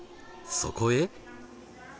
そこへ。